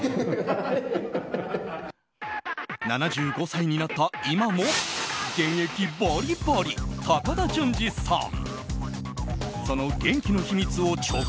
７５歳になった今も現役バリバリ、高田純次さん。